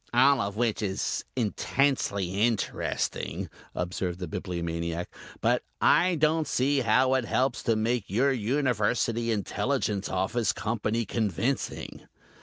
"All of which is intensely interesting," observed the Bibliomaniac, "but I don't see how it helps to make your University Intelligence Office Company convincing."